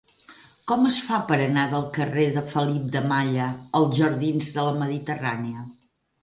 Com es fa per anar del carrer de Felip de Malla als jardins de la Mediterrània?